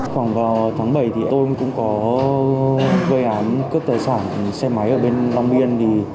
khoảng vào tháng bảy thì tôi cũng có gây án cướp tài sản xe máy ở bên long biên